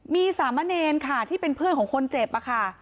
มีสามะเนรค่ะที่เป็นเพื่อนของคนเจ็บค่ะ